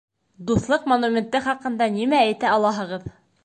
Дуҫлыҡ монументы хаҡында нимә әйтә алаһығыҙ?